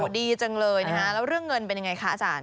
อ๋อดีจังเลยแล้วเรื่องเงินเป็นอย่างไรคะอาจารย์